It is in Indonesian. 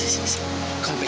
kau pegang cincin ini